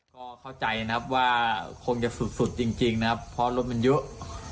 ก็เข้าใจนะครับว่าคงจะสุดจริงนะครับเพราะรถมันเยอะ